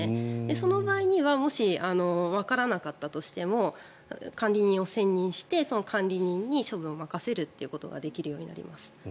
その場合にはもし、わからなかったとしても管理人を選任して、その管理人に処分を任せることができると。